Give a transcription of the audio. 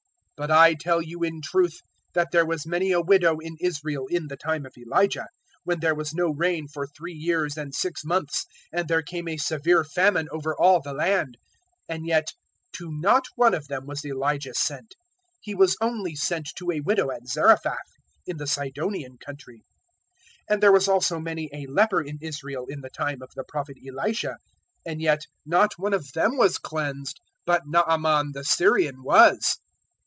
004:025 But I tell you in truth that there was many a widow in Israel in the time of Elijah, when there was no rain for three years and six months and there came a severe famine over all the land; 004:026 and yet to not one of them was Elijah sent: he was only sent to a widow at Zarephath in the Sidonian country. 004:027 And there was also many a leper in Israel in the time of the Prophet Elisha, and yet not one of them was cleansed, but Naaman the Syrian was."